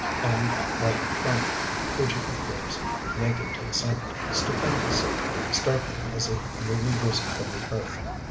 And, right in front, Fuji appears, naked to the summit, stupendous, startling as if newly risen from the earth.